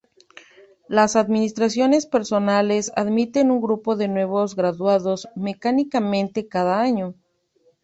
Las administraciones personales admiten un grupo de nuevos graduados mecánicamente cada año.